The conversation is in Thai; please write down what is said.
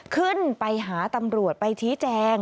ขึ้นไปหาตำรวจไปชี้แจง